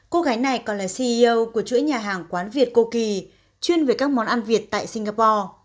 cô gái này còn là ceo của chuỗi nhà hàng quán việt co kỳ chuyên về các món ăn việt tại singapore